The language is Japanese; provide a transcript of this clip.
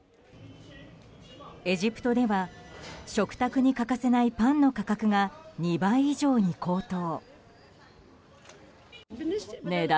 エジプトでは食卓に欠かせないパンの価格が２倍以上に高騰。